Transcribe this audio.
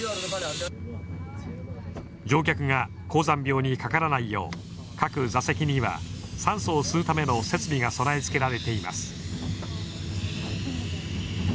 乗客が高山病にかからないよう各座席には酸素を吸うための設備が備え付けられています。